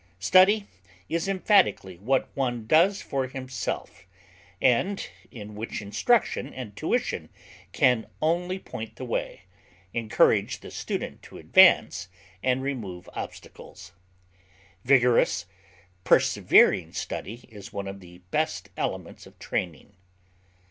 Study is emphatically what one does for himself, and in which instruction and tuition can only point the way, encourage the student to advance, and remove obstacles; vigorous, persevering study is one of the best elements of training.